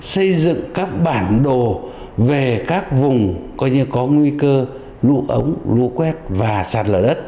xây dựng các bản đồ về các vùng coi như có nguy cơ lũ ống lũ quét và sạt lở đất